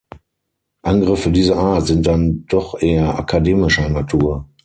Angriffe dieser Art sind dann doch eher akademischer Natur.